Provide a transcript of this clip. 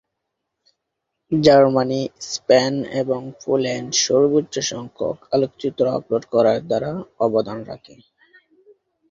Germany, Spain এবং Poland সর্বোচ্চ সংখ্যাক আলোকচিত্র আপলোড করার দ্বারা অবদান রাখে।